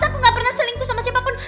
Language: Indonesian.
aku gak pernah selingkuh sama siapapun